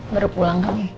baru pulang ke nih